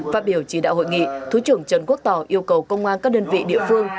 phát biểu chỉ đạo hội nghị thứ trưởng trần quốc tỏ yêu cầu công an các đơn vị địa phương